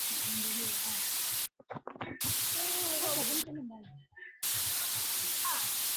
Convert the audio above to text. Ngombe kutoa mate kwa wingi mdomoni ni dalili nyingine ya mapele ya ngozi